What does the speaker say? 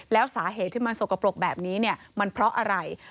แล้วสาเหตุที่มันสกปรกแบบนี้มันเพราะอะไร